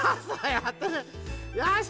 よし！